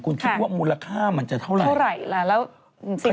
คุณคิดว่ามูลค่ามันจะเท่าไหร่เท่าไหร่ล่ะแล้ว